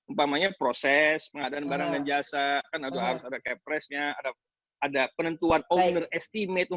maksudnya proses pengadaan barang dan jasa ada harus ada kayak press nya ada penentuan owner estimate